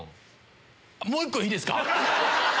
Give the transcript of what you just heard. もう１個いいですか？